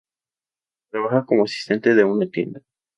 Trabaja como asistente de una tienda.